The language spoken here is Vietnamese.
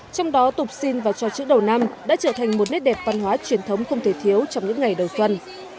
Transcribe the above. trong đó tục xin và cho chữ đầu năm đã trở thành một nét đẹp văn hóa truyền thống không thể thiếu trong những ngày đầu xuân